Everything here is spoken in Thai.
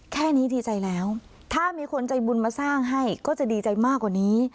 แค่นี้ดีใจแล้วถ้ามีคนใจบุญมาสร้างให้ก็จะดีใจมากกว่านี้